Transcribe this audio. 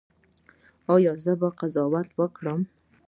ایا زه باید قضاوت وکړم؟